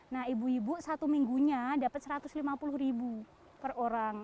nah ibu ibu satu minggunya dapat satu ratus lima puluh ribu per orang